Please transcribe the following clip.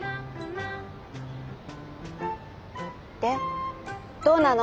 でどうなの？